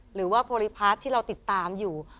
หรือว่าโพลิพาร์ทที่เราติดตามอยู่